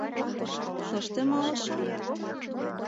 — Тыште малышым?